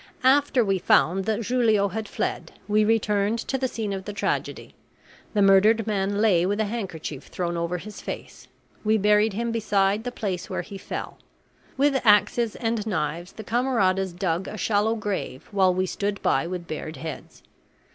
After we found that Julio had fled, we returned to the scene of the tragedy. The murdered man lay with a handkerchief thrown over his face. We buried him beside the place where he fell. With axes and knives the camaradas dug a shallow grave while we stood by with bared heads.